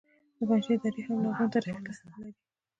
د پنجشیر درې هم لرغونی تاریخ لري